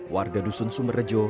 warga dusun sumerejo